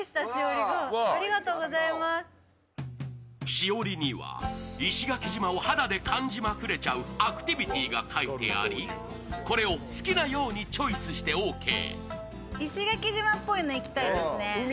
しおりには、石垣島を肌で感じまくれちゃうアクティビティーが書いてありこれを好きなようにチョイスしてオーケー。